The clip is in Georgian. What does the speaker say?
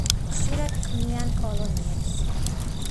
ხშირად ქმნიან კოლონიებს.